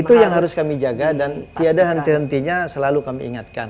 itu yang harus kami jaga dan tiada henti hentinya selalu kami ingatkan